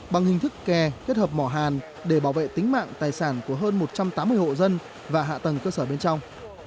bằng hình thức kè kết hợp mỏ hàn để bảo vệ tính mạng tài sản của hơn một trăm tám mươi hộ dân và hạ tầng cơ sở bên trong